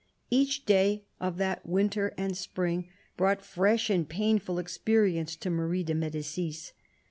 Each day of that winter and spring brought fresh and painful experience to Marie de M6dicis.